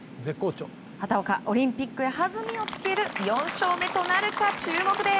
畑岡、オリンピックへ弾みをつける４勝目となるか注目です。